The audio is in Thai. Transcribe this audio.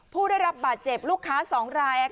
ผู้ได้รับบาดเจ็บลูกค้า๒ราย